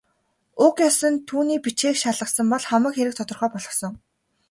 Уг ёс нь түүний бичгийг шалгасан бол хамаг хэрэг тодорхой болохсон.